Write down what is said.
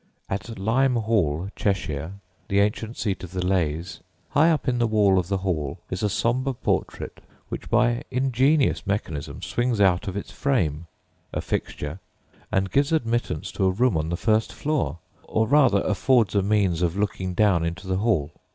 At Lyme Hall, Cheshire, the ancient seat of the Leghs, high up in the wall of the hall is a sombre portrait which by ingenious mechanism swings out of its frame, a fixture, and gives admittance to a room on the first floor, or rather affords a means of looking down into the hall.